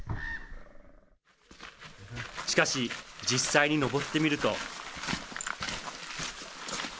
しかし、実際に登ってみると。